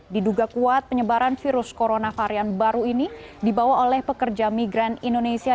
diduga kuat penyebaran virus corona varian baru ini dibawa oleh pekerja migran indonesia